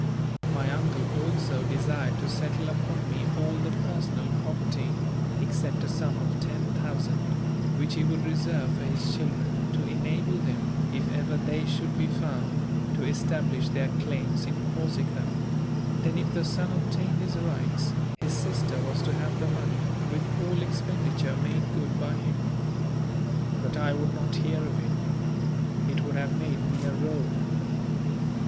My Uncle also desired to settle upon me all the personal property, except a sum of 10,000*l.*, which he would reserve for his children, to enable them, if ever they should be found, to establish their claims in Corsica: then if the son obtained his rights, his sister was to have the money with all expenditure made good by him. But I would not hear of it. It would have made me a rogue.